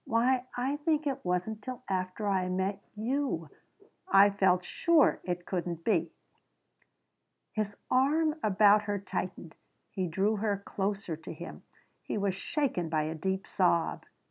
"Why I think it wasn't till after I met you I felt sure it couldn't be " His arm about her tightened. He drew her closer to him. He was shaken by a deep sob.